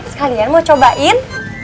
sekalian mau cobain